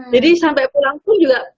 jadi sampai pulang pun juga